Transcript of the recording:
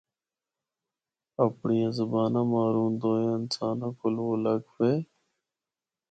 اپڑیاں زباناں ماروں دویاں انساناں کولوں الگ وے۔